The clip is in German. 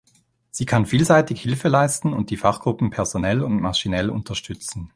Sie kann vielseitig Hilfe leisten und die Fachgruppen personell und maschinell unterstützen.